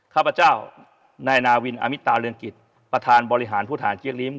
ข้าพเจ้าแนนาวินอำมิตาเรือนกิจประธานบริหารพุทธฐานจี๊กริ้ม